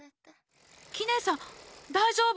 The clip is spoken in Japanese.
キネさんだいじょうぶ？